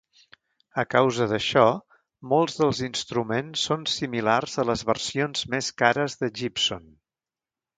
A causa d'això, molts dels instruments són similars a les versions més cares de Gibson.